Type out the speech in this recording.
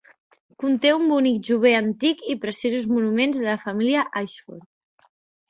Conté un bonic jubé antic i preciosos monuments de la família Ayshford.